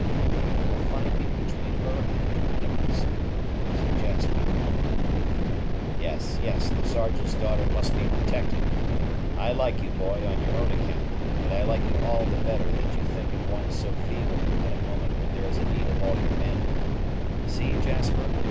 "Mabel will find me between her and her enemies," said Jasper calmly. "Yes, yes, the Sergeant's daughter must be protected. I like you, boy, on your own account; but I like you all the better that you think of one so feeble at a moment when there is need of all your manhood. See, Jasper!